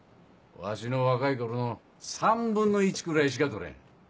わしの若い頃の３分の１くらいしか取れん。